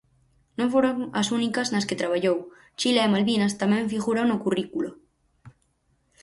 Non foron as únicas nas que traballou; Chile e Malvinas tamén figuran no currículo.